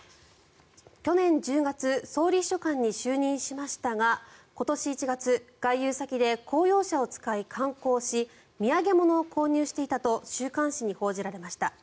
去年１０月総理秘書官に就任しましたが今年１月外遊先で公用車を使い、観光し土産物を購入していたと週刊誌に報じられました。